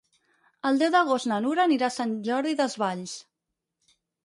El deu d'agost na Nura anirà a Sant Jordi Desvalls.